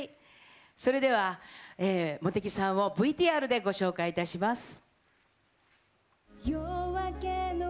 それでは茂木さんをＶＴＲでご紹介いたします。